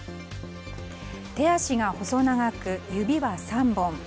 手足が細長く、指は３本。